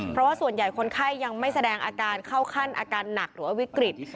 เพราะว่าส่วนใหญ่คนไข้ยังไม่แสดงอาการเข้าขั้นอาการหนักหรือว่าวิกฤต